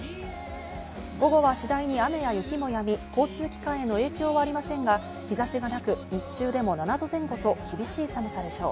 午後は次第に雨や雪もやみ、交通機関への影響はありませんが、日差しがなく、日中でも７度前後と厳しい寒さでしょう。